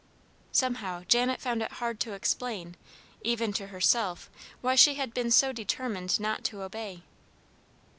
Somehow Janet found it hard to explain, even to herself, why she had been so determined not to obey.